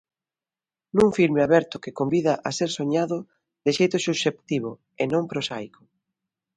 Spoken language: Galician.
Nun filme aberto que convida a ser soñado de xeito subxectivo e non prosaico.